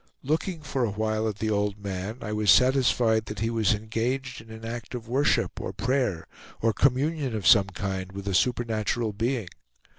Looking for a while at the old man, I was satisfied that he was engaged in an act of worship or prayer, or communion of some kind with a supernatural being.